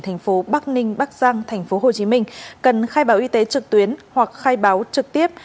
tp bắc ninh bắc giang tp hồ chí minh cần khai báo y tế trực tuyến hoặc khai báo trực tiếp